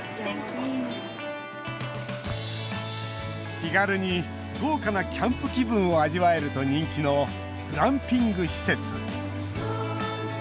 気軽に豪華なキャンプ気分を味わえると人気のグランピング施設。